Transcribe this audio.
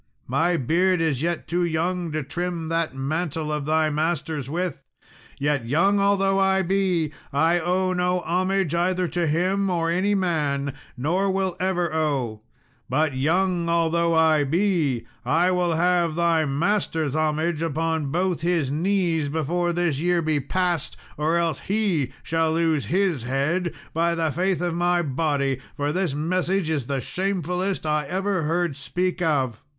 My beard is yet too young to trim that mantle of thy master's with; yet, young although I be, I owe no homage either to him or any man nor will ever owe. But, young although I be, I will have thy master's homage upon both his knees before this year be past, or else he shall lose his head, by the faith of my body, for this message is the shamefullest I ever heard speak of.